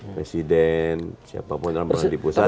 presiden siapapun yang terlalu di pusat